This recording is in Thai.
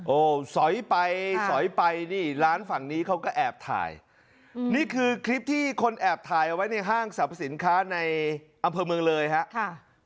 สอยไปสอยไปนี่ร้านฝั่งนี้เขาก็แอบถ่ายนี่คือคลิปที่คนแอบถ่ายเอาไว้ในห้างสรรพสินค้าในอำเภอเมืองเลยครับ